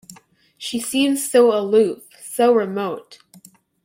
She seems so aloof, so remote.